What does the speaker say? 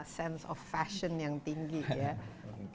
sense of fashion yang tinggi ya